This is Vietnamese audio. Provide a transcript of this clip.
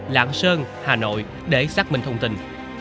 lạng sơn hà nội để xác minh thông tin